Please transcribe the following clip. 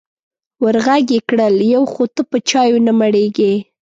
ور غږ یې کړل: یو خو ته په چایو نه مړېږې.